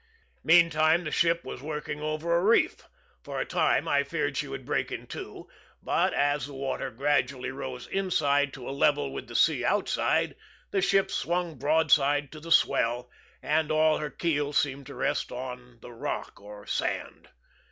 Meantime the ship was working over a reef for a time I feared she would break in two; but, as the water gradually rose inside to a level with the sea outside, the ship swung broadside to the swell, and all her keel seemed to rest on the rock or sand.